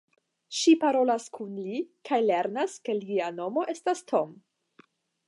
Ŝi parolas kun li kaj lernas ke lia nomo estas Tom.